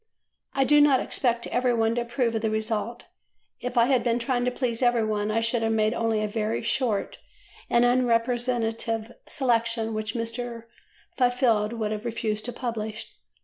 I do not expect every one to approve of the result. If I had been trying to please every one, I should have made only a very short and unrepresentative selection which Mr. Fifield would have refused to publish.